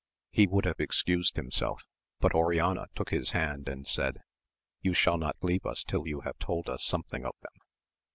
He would have excused himself, but Oriana took his hand and eaid, You shall not leave us till you have told us some thing of them.